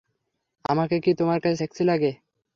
আমাকে কি তোমার কাছে সেক্সি লাগে?